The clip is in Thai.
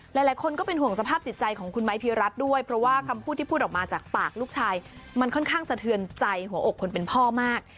หลายคนก็เป็นห่วงสภาพจิตใจของคุณไม้พีรัตน์ด้วยเพราะว่าคำพูดที่พูดออกมาจากปากลูกชายมันค่อนข้างสะเทือนใจหัวอกคนเป็นพ่อมาก